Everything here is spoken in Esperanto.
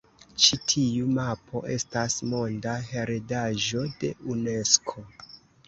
Ĉi tiu mapo estas Monda Heredaĵo de Unesko.